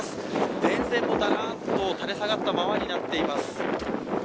電線もだらんと垂れ下がったままになっています。